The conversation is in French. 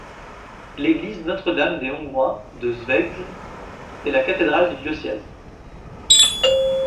L'église Notre-Dame des Hongrois de Szeged est la cathédrale du diocèse.